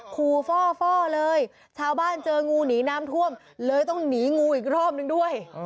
ขู่ฟ่อเลยชาวบ้านเจองูหนีน้ำท่วมเลยต้องหนีงูอีกรอบนึงด้วย